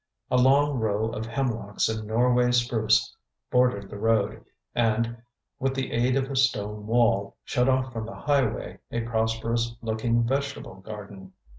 A long row of hemlocks and Norway spruce bordered the road, and, with the aid of a stone wall, shut off from the highway a prosperous looking vegetable garden.